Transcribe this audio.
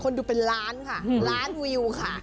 ดูเป็นล้านค่ะล้านวิวค่ะ